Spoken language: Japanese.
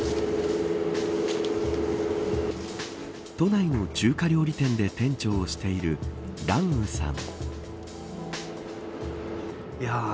都内の中華料理店で店長をしているラン・ウさん。